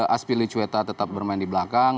azpilicueta tetap bermain di belakang